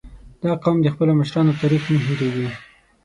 • دا قوم د خپلو مشرانو تاریخ نه هېرېږي.